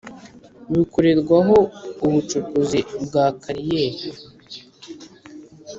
bukorerwaho ubucukuzi bwa kariyeri